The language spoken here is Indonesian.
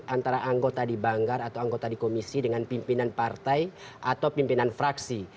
antara anggota di banggar atau anggota di komisi dengan pimpinan partai atau pimpinan fraksi